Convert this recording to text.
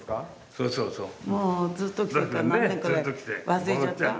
そうそうそう。